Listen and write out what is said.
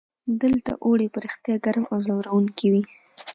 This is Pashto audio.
دلته اوړي په رښتیا ګرم او ځوروونکي وي.